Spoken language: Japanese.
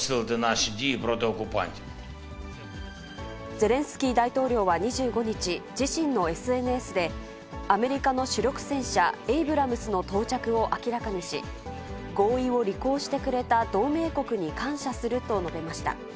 ゼレンスキー大統領は２５日、自身のＳＮＳで、アメリカの主力戦車、エイブラムスの到着を明らかにし、合意を履行してくれた同盟国に感謝すると述べました。